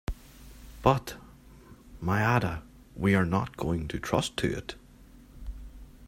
But, my Ada, we are not going to trust to it!